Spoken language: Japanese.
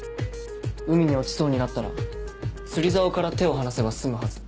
海に落ちそうになったら釣り竿から手を離せば済むはず。